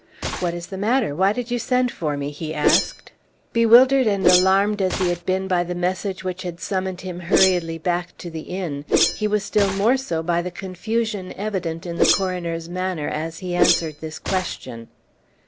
"What is the matter? Why did you send for me?" he asked. Bewildered and alarmed as he had been by the message which had summoned him hurriedly back to the inn, he was still more so by the confusion evident in the coroner's manner as he answered this question.